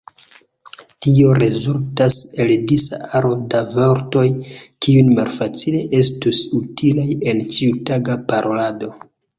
Tio rezultas en disa aro da vortoj kiuj malfacile estus utilaj en ĉiutaga parolado.